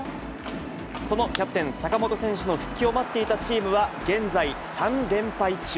そのキャプテン、坂本選手の復帰を待っていたチームは現在３連敗中。